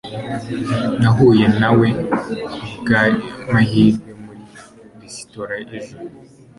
Nahuye na we kubwamahirwe muri resitora ejo